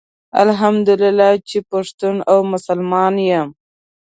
الحمدالله چي پښتون او مسلمان يم